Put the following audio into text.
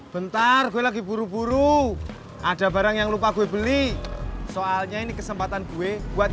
bentar gue lagi buru buru ada barang yang lupa gue beli soalnya ini kesempatan gue buat